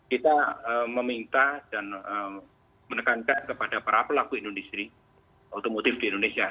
kita meminta dan menekankan kepada para pelaku industri otomotif di indonesia